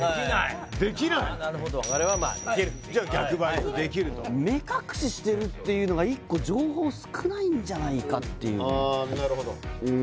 我々はいけるじゃあ逆できると目隠ししてるっていうのが１個情報少ないんじゃないかっていうあなるほどうん